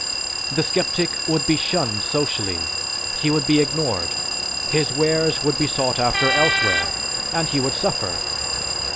The sceptic would be shunned socially, he would be ignored, his wares would be sought after elsewhere, and he would suffer.